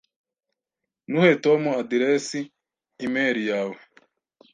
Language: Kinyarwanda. Ntuhe Tom aderesi imeri yawe.